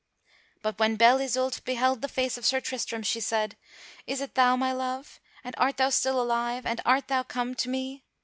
But when Belle Isoult beheld the face of Sir Tristram, she said: "Is it thou, my love; and art thou still alive, and art thou come tome?"